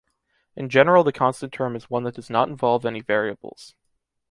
In general the constant term is one that does not involve any variables.